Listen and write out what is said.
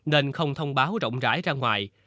nên không thông báo rộng rãi ra ngoài